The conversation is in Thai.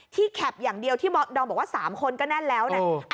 ที่แคปอย่างเดียวที่ดอมบอกว่าสามคนก็แน่นแล้วน่ะอ๋อ